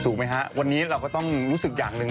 ไหมฮะวันนี้เราก็ต้องรู้สึกอย่างหนึ่ง